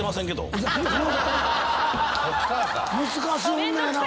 難しい女やなぁ。